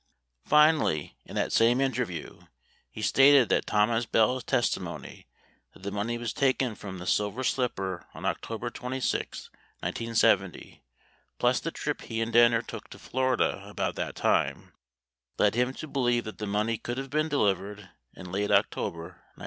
61 Finally, in that same interview, he stated that Thomas Bell's testi mony that the money was taken from the Silver Slipper on October 26, 1970, plus the trip he and Danner took to Florida about that time, led him to believe that the money could have been delivered in late October 1970.